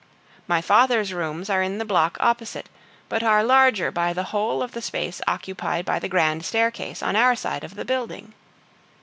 My father's rooms are in the block opposite, but are larger by the whole of the space occupied by the grand staircase on our side of the building.